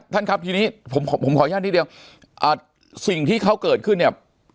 ท่านครับทีนี้ผมขออนุญาตนิดเดียวสิ่งที่เขาเกิดขึ้นเนี่ย